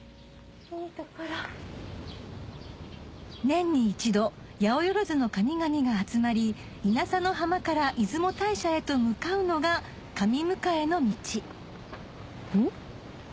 年に一度八百万の神々が集まり稲佐の浜から出雲大社へと向かうのが神迎の道ん？